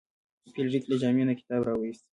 فلیریک له جامې نه کتاب راویوست.